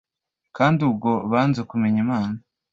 Kandi ubwo banze kumenya Imana